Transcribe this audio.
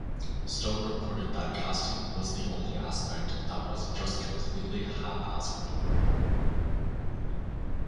Stone reported that casting was the only aspect that was "just completely haphazard".